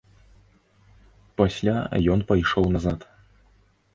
Пасля ён пайшоў назад.